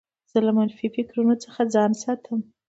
زه له منفي فکرو څخه ځان ساتم.